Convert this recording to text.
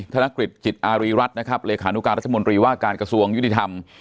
ธนกฤษจิตอารีรัฐนะครับเลขานุการรัฐมนตรีว่าการกระทรวงยุติธรรม